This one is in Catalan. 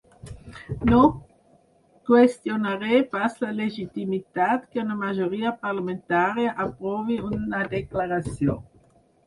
No qüestionaré pas la legitimitat que una majoria parlamentària aprovi una declaració.